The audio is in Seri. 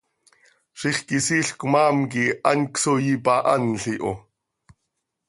Zixquisiil cmaam quih hant csooi ipahanl iho.